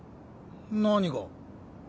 何が？